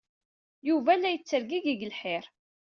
Yuba la yettergigi seg lḥir.